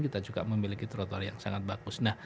kita juga memiliki trotoar yang sangat bagus